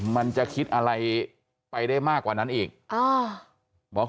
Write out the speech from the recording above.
มันจะคิดอะไรไปได้มากกว่านั้นอีก